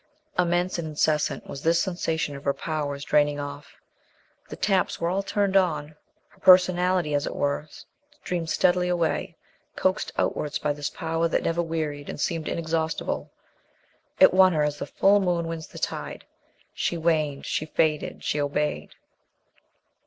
Immense and incessant was this sensation of her powers draining off. The taps were all turned on. Her personality, as it were, streamed steadily away, coaxed outwards by this Power that never wearied and seemed inexhaustible. It won her as the full moon wins the tide. She waned; she faded; she obeyed.